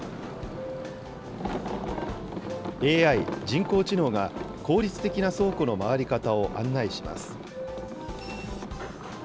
ＡＩ・人工知能が、効率的な倉庫の回り方を案内します。